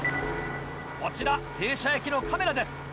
こちら停車駅のカメラです。